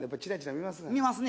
見ますね。